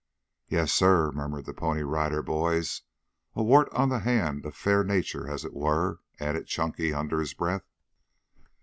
"Yes, sir," murmured the Pony Rider Boys. "A wart on the hand of fair Nature, as it were," added Chunky under his breath.